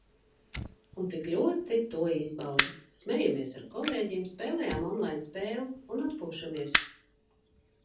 Un tik ļoti to izbaudu. Smejamies ar kolēģiem, spēlējam online spēles un atpūšamies.